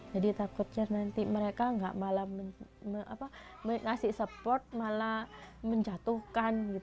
jadi takutnya nanti mereka tidak malah memberikan support malah menjatuhkan